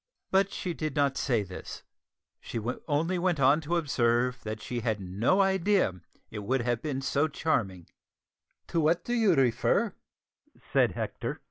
But she did not say this; she only went on to observe that she had no idea it would have been so charming. "To what do you refer?"